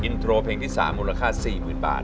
มาหามูลค่าสี่หมื่นบาท